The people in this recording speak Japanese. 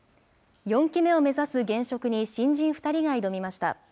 ４期目を目指す現職に、新人２人が挑みました。